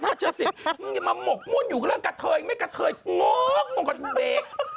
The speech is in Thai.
มึงอย่ามาหมกมวดอยู่กับเรื่องกัดเทยไม่กัดเทยงกมึงก็เบ๊ก